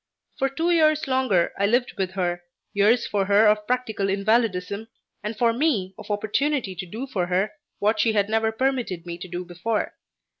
For two years longer I lived with her, years for her of practical invalidism, and for me of opportunity to do for her what she had never permitted me to do before.